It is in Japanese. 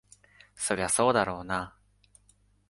そりゃそうだろうな。